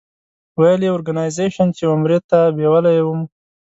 ویل یې اورګنایزیش چې عمرې ته بېولې وم.